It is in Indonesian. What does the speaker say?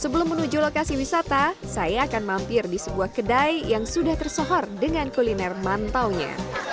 sebelum menuju lokasi wisata saya akan mampir di sebuah kedai yang sudah tersohor dengan kuliner mantaunya